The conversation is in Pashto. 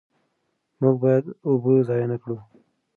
موږ باید اوبه ضایع نه کړو.